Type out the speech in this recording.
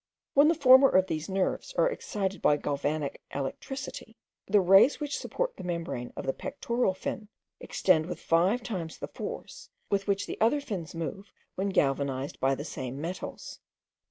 When the former of these nerves are excited by galvanic electricity, the rays which support the membrane of the pectoral fin extend with five times the force with which the other fins move when galvanised by the same metals.